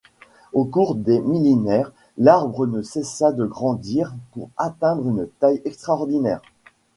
Au cours des millénaires, l'arbre ne cessa de grandir pour atteindre une taille extraordinaire.